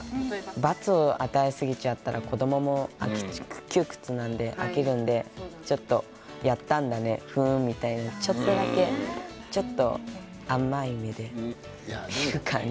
罰を与えすぎちゃったら子どもも窮屈なのでちょっとやったんだね、ふーんみたいな、ちょっとだけ甘い目で見る感じ。